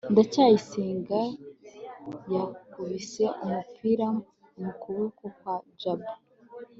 ndacyayisenga yakubise umupira mu kuboko kwa jabo